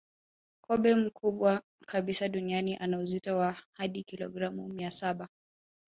Kobe mkubwa kabisa duniani ana uzito wa hadi kilogramu mia saba